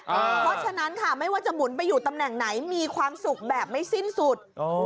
เพราะฉะนั้นค่ะไม่ว่าจะหมุนไปอยู่ตำแหน่งไหนมีความสุขแบบไม่สิ้นสุด